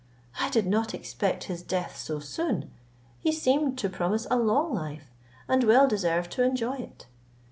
I did not expect his death so soon; he seemed to promise a long life, and well deserved to enjoy it!"